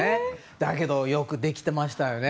だけど、よくできてましたよね。